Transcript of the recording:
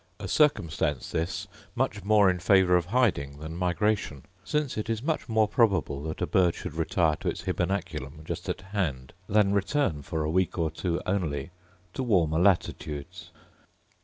A circumstance this much more in favour of hiding than migration; since it is much more probable that a bird should retire to its hybernaculum just at hand, than return for a week or two only to warmer latitudes.